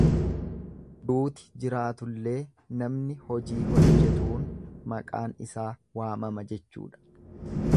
Duuti jiraatullee namni hojii hojjetuun maqaan isaa waamama jechuudha.